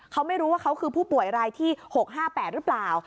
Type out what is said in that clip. เขาไม่รู้ว่าเขาคือผู้ป่วยรายที่๖๕๘หรือเปล่า